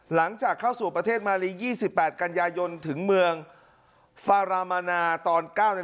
หลังจากเข้าสู่ประเทศมารียี่สิบแปดกันยายนถึงเมืองฟารามานาตอนเก้าใน